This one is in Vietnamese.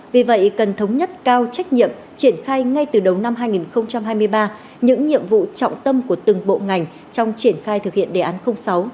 vì vậy cần thống nhất cao trách nhiệm triển khai ngay từ đầu năm hai nghìn hai mươi ba những nhiệm vụ trọng tâm của từng bộ ngành trong triển khai thực hiện đề án sáu